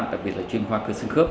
đặc biệt là chuyên khoa cơ xương khớp